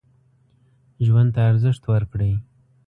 ژوند ته ارزښت ورکړئ.